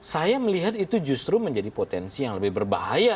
saya melihat itu justru menjadi potensi yang lebih berbahaya